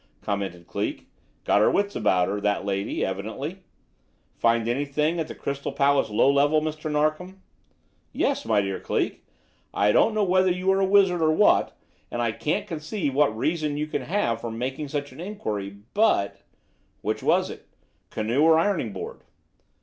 commented Cleek. "Got her wits about her, that lady, evidently. Find anything at the Crystal Palace Low Level, Mr. Narkom?" "Yes. My dear Cleek, I don't know whether you are a wizard or what, and I can't conceive what reason you can have for making such an inquiry, but " "Which was it? Canoe or ironing board?"